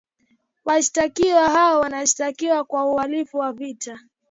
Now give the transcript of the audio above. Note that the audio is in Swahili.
Washtakiwa hao wanashtakiwa kwa uhalifu wa vita